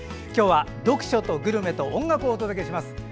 今日は読書とグルメと音楽をお届けします。